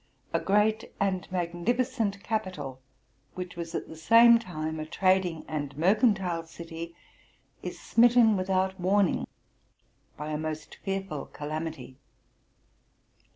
A great and magnificent capital, which was at the same time a trading and mercantile city, is smitten with out warning by a most fearful calamity.